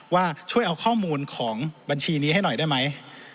ว่าช่วยเอาข้อมูลของบัญชีนี้ให้หน่อยได้ไหม